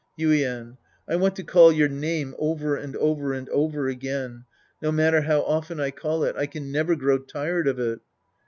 Yuien. I want to call your name over and over and over again. No matter how often I call it, I can never grow tired of it.